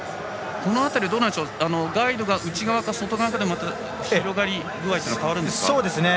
この辺り、ガイドが内側か、外側かでまた広がり具合は変わるんですか？